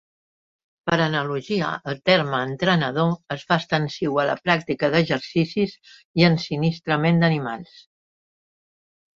Per analogia, el terme entrenador es fa extensiu a la pràctica d'exercicis i ensinistrament d'animals.